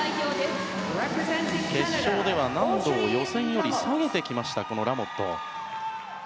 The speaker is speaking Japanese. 決勝では、難度を予選より下げてきたラモット。